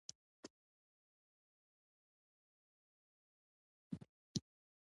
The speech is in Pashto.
د جیسمین ګل د څه لپاره وکاروم؟